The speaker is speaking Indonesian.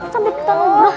sambil ketemu dulu